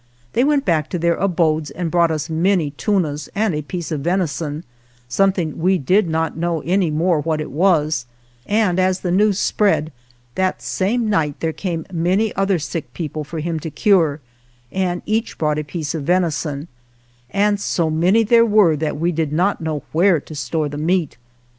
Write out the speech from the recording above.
They went back to their abodes and brought us many tunas and a piece of venison, something we did not know any more what it was, and as the news spread that same night there came many other sick ioo ALVAR NUNEZ CABEZA DE VACA people for him to cure, and each brought a piece of venison, and so many there were that we did not know where to store the meat.